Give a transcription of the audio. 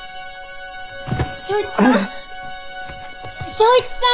昇一さん？